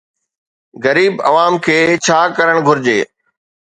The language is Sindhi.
غريب عوام کي ڇا ڪرڻ گهرجي؟